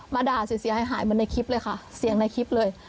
มาด่าเสียงในคลิปเลยค่ะเสียงในคลิปเลย